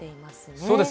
そうですね。